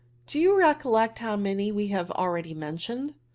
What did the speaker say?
Do you recollect how many we have akeady mentioned